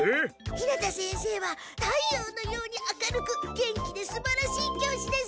日向先生は太陽のように明るく元気ですばらしい教師ですって。